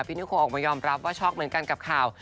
นิโคออกมายอมรับว่าช็อกเหมือนกันกับข่าว